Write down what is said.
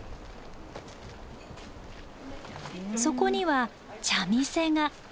そこには茶店が。